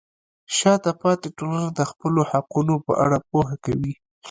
شاته پاتې ټولنه د خپلو حقونو په اړه پوهه کوي.